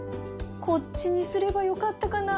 こっちにすればよかったかな